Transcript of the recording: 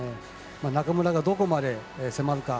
中村がどこまで迫るか。